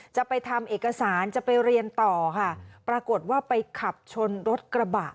จะไปทำเอกสารจะไปเรียนต่อค่ะปรากฏว่าไปขับชนรถกระบะ